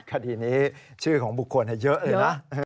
คดีนี้ชื่อของบุคคลเยอะเลยนะ